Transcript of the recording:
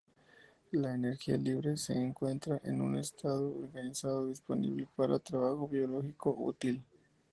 La energía libre se encuentra en un estado organizado, disponible para trabajo biológico útil.